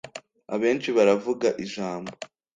Abenshi baravuga ijambo